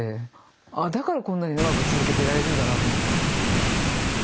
あだからこんなに長く続けてられるんだなって思って。